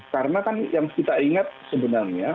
karena kan yang kita ingat sebenarnya